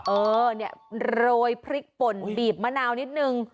เออเนี่ยโรยพริกป่นบีบมะนาวนิดนึง